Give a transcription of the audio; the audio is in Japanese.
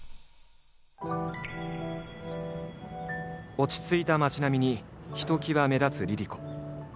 落ち着いた街並みにひときわ目立つＬｉＬｉＣｏ。